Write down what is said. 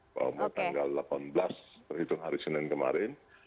pada tanggal delapan belas berhitung hari senin kemarin